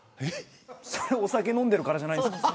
それは、お酒飲んでるからじゃないんですか。